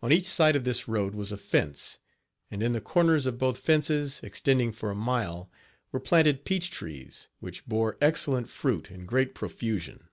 On each side of this road was a fence, and in the corners of both fences, extending for a mile, were planted peach trees, which bore excellent fruit in great profusion.